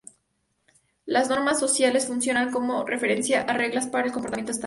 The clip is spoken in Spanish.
Las normas sociales funcionan como referencias o reglas para el comportamiento estándar.